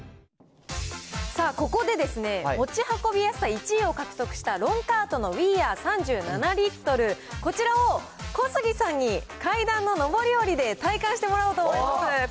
さあ、ここでですね、持ち運びやすさ１位を獲得した、ロンカートのウィーアー３７リットル、こちらを小杉さんに階段の上り下りで体感してもらおうと思います。